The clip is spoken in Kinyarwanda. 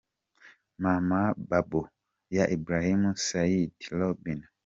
Mama Bobo ya IbrahimaSeydi & Robin.